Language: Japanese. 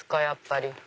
やっぱり。